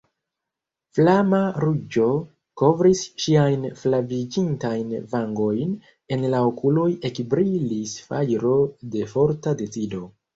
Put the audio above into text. Flama ruĝo kovris ŝiajn flaviĝintajn vangojn, en la okuloj ekbrilis fajro de forta decido.